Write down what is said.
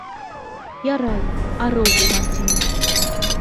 Ярай, арыу булған, - тине.